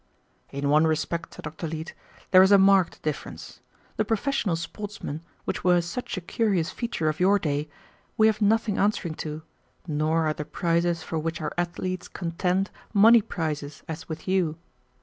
"In one respect," said Dr. Leete, "there is a marked difference. The professional sportsmen, which were such a curious feature of your day, we have nothing answering to, nor are the prizes for which our athletes contend money prizes, as with you.